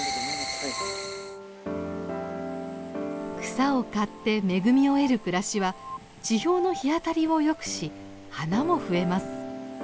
草を刈って恵みを得る暮らしは地表の日当たりをよくし花も増えます。